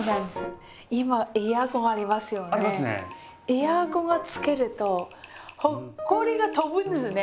エアコンつけるとほこりが飛ぶんですね。